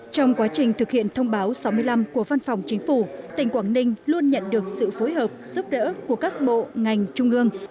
trong quá trình thực hiện thông báo sáu mươi năm của văn phòng chính phủ tỉnh quảng ninh luôn nhận được sự phối hợp giúp đỡ của các bộ ngành trung ương